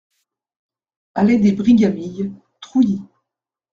Allée des Brigamilles, Trouy